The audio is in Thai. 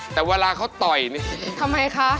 แต่เวลาเขาต่อยนี่ทำไมคะ